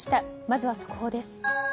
まずは速報です。